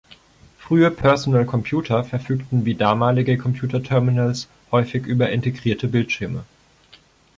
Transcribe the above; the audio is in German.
Frühe Personal Computer verfügten wie damalige Computerterminals häufig über integrierte Bildschirme.